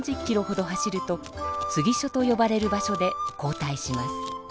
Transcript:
３０キロほど走るとつぎ所とよばれる場所で交代します。